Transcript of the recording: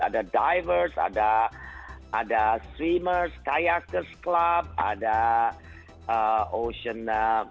ada divers ada swimmers kayakers club ada ocean